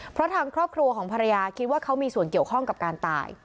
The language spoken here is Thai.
เพราะทางครอบครัวของภรรยาคิดว่าเขามีส่วนเกี่ยวข้องกับการตาย